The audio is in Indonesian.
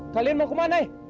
kalian mau ke mana eh